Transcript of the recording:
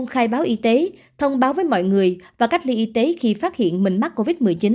khai báo y tế thông báo với mọi người và cách ly y tế khi phát hiện mình mắc covid một mươi chín